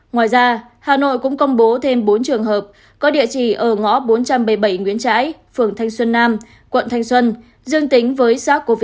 ngoài ra hà nội cũng công bố thêm bốn trường hợp có địa chỉ ở ngõ bốn trăm bảy mươi bảy nguyễn trãi phường thanh xuân nam quận thanh xuân dương tính với sars cov hai